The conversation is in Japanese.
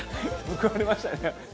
報われましたね。